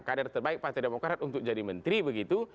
kader terbaik partai demokrat untuk jadi menteri begitu